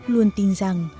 luôn tin rằng